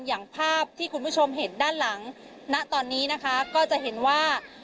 อย่างภาพที่คุณผู้ชมเห็นด้านหลังณตอนนี้นะคะก็จะเห็นว่า